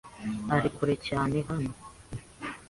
Ari kure cyane hano?